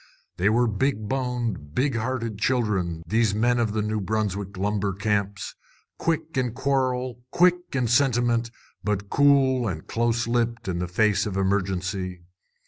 They were big boned, big hearted children, these men of the New Brunswick lumber camps, quick in quarrel, quick in sentiment, but cool and close lipped in the face of emergency.